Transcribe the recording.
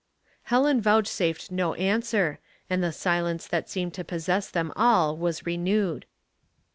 " Helen vouchsafed no answer, and the silence that seemed to possess them all was renewed.